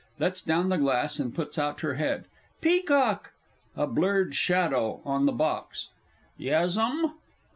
(Lets down the glass and puts out her head.) Peacock! A BLURRED SHADOW ON THE BOX. Yes, M'm.